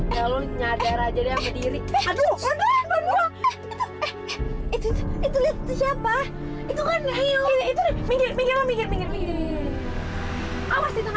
dia keluar dari bar men